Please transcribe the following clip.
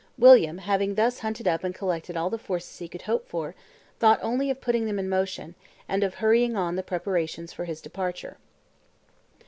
William, having thus hunted up and collected all the forces he could hope for, thought only of putting them in motion, and of hurrying on the preparations for his departure.